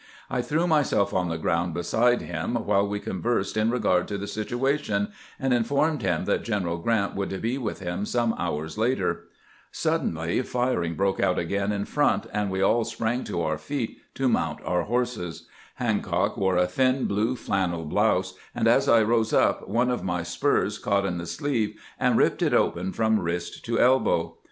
I threw myself on the ground beside him while we con versed in regard to the situation, and informed him that G eneral Grant would be with him some hours later. Suddenly firing broke out again in front, and we all 260 CAMPAIGNINa WITH GEANT , sprang to our feet to mount our horses. Hancock wore a thin blue flannel blouse, and as I rose up one of my spurs caught in the sleeve, and ripped it open from wrist to elbow.